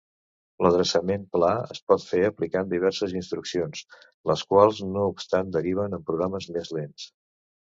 L'adreçament pla es pot fer aplicant diverses instruccions, les quals no obstant deriven en programes més lents.